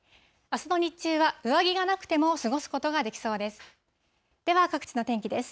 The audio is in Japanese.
あすの日中は、上着がなくても過ごすことができそうです。